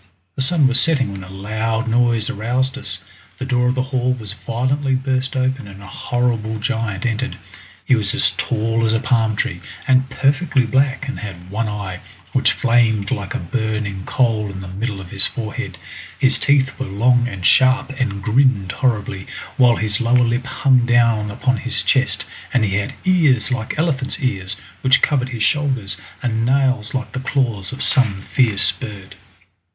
The sun was setting when a loud noise aroused us, the door of the hall was violently burst open and a horrible giant entered. He was as tall as a palm tree, and perfectly black, and had one eye, which flamed like a burning coal in the middle of his forehead. His teeth were long and sharp and grinned horribly, while his lower lip hung down upon his chest, and he had ears like elephant's ears, which covered his shoulders, and nails like the claws of some fierce bird.